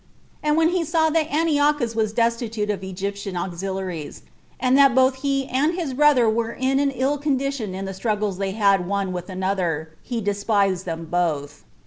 And when he saw that Antiochus was destitute of Egyptian auxiliaries, and that both he and his brother were in an ill condition in the struggles they had one with another, he despised them both.